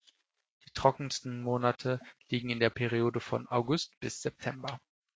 Die trockensten Monate liegen in der Periode von August bis September.